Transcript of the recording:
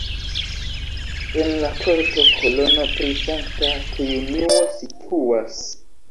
En la korto kolono pri Sankta Triunuo situas.